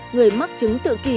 người mắc chứng tự kỷ